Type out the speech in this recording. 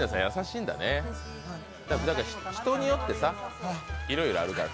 人によってさ、いろいろあるから。